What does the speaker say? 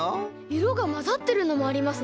いろがまざってるのもありますね。